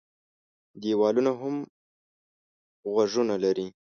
دېوالونو هم غوږونه لري.